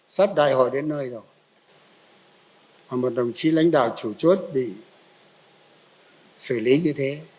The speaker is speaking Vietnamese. sắp đại hội đến nơi rồi mà một đồng chí lãnh đạo chủ chốt bị xử lý như thế